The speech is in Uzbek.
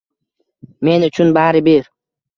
Men uchun bari-bir.